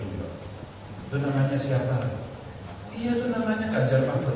iya nama saya ternyata ganjar pakbut